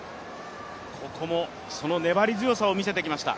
ここも、その粘り強さを見せてきました。